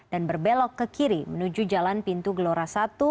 dan berbelok ke kiri menuju jalan pintu gelora satu